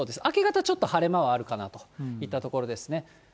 明け方ちょっと晴れ間はあるかなといったところですね。